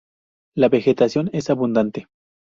La vegetación es abundante.